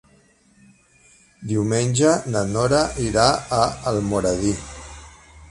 Diumenge na Nora irà a Almoradí.